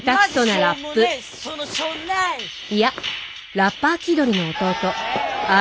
いやラッパー気取りの弟嵐。